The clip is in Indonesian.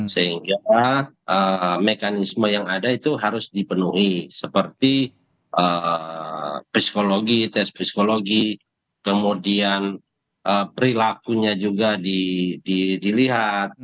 sehingga mekanisme yang ada itu harus dipenuhi seperti psikologi tes psikologi kemudian perilakunya juga dilihat